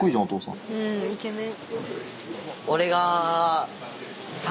うんイケメン。